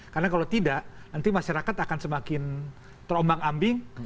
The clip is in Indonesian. karena kalau tidak nanti masyarakat akan semakin terombang ambing